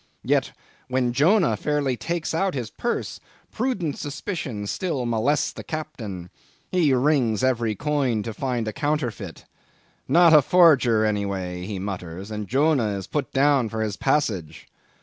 Yet when Jonah fairly takes out his purse, prudent suspicions still molest the Captain. He rings every coin to find a counterfeit. Not a forger, any way, he mutters; and Jonah is put down for his passage.